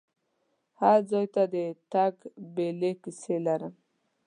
هر ځای ته د تګ بیلې کیسې لرم.